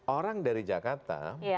orang dari jakarta